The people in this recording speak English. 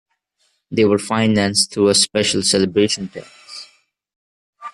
They were financed through a special celebration tax.